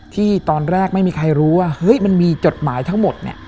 ที่ตอนแรกไม่มีใครรู้ว่ามันมีจดหมายทั้งหมด